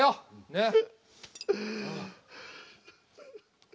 ねっ？